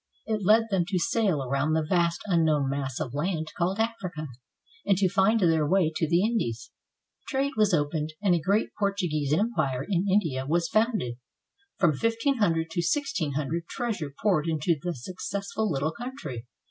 It led them to sail around the vast unknown mass of land called Africa, and to find their way to the Indies. Trade was opened, and a great Portuguese empire in India was founded. From 1500 to 1600 treasure poured into the successful little country.